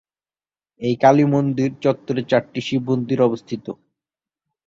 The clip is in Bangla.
এই কালীমন্দির চত্বরে চারটি শিবমন্দির অবস্থিত।